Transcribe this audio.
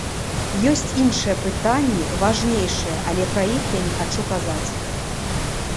Ёсць іншыя пытанні, важнейшыя, але пра іх я не хачу казаць.